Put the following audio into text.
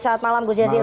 selamat malam gus jazilul